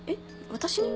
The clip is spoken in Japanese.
私に？